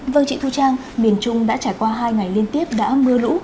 vâng chị thu trang miền trung đã trải qua hai ngày liên tiếp đã mưa lũ